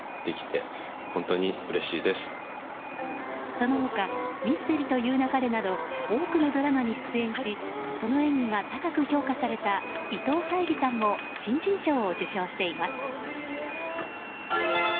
その他「ミステリと言う勿れ」など多くのドラマに出演しその演技が高く評価された伊藤沙莉さんも新人賞を受賞しています。